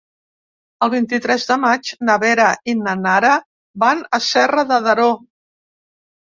El vint-i-tres de maig na Vera i na Nara van a Serra de Daró.